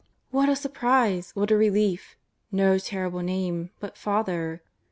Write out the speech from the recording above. What a surprise, what a relief! l^o terrible Name, but " Father."